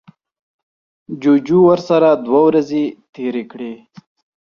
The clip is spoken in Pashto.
جوجو ورسره دوه ورځې تیرې کړې.